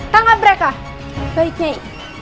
tangkap mereka baiknya ini